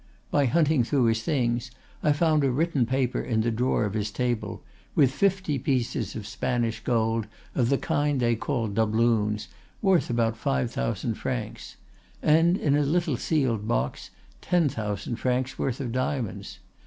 By hunting through his things, I found a written paper in the drawer of his table, with fifty pieces of Spanish gold of the kind they call doubloons, worth about five thousand francs; and in a little sealed box ten thousand francs worth of diamonds.